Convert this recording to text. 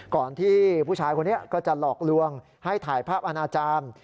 ก่อนที่ผู้ชายคนนี้ก็จะหลอกลวงให้ถ่ายภาพอาณาจารย์